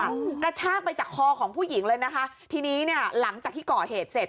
กระชากไปจากคอของผู้หญิงเลยนะคะทีนี้เนี้ยหลังจากที่ก่อเหตุเสร็จ